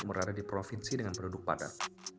berada di provinsi dengan penduduk padat